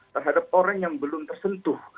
terhadap orang yang belum tersentuh